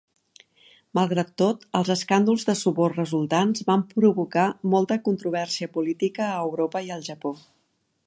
Malgrat tot, els escàndols de suborn resultants van provocar molta controvèrsia política a Europa i al Japó.